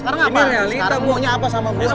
sekarang mau nya apa sama gua